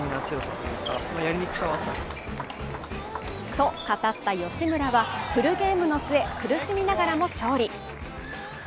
と語った吉村は、フルゲームの末、苦しみながらも勝利。